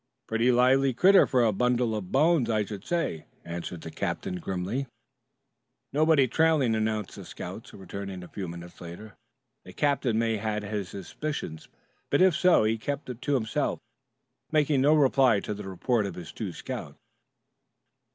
"Pretty lively critter for a bundle of bones, I should say," answered the captain grimly. "Nobody trailing," announced the scouts returning a few minutes later. The captain may have had a suspicion, but if so he kept it to himself, making no reply to the report of his two scouts.